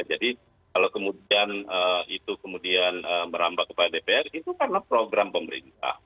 kalau kemudian itu kemudian merambah kepada dpr itu karena program pemerintah